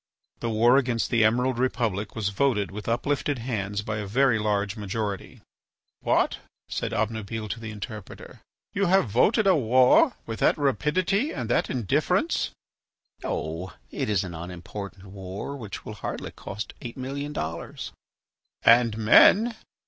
The war against the Emerald Republic was voted with uplifted hands by a very large majority. "What?" said Obnubile to the interpreter; "you have voted a war with that rapidity and that indifference!" "Oh! it is an unimportant war which will hardly cost eight million dollars." "And men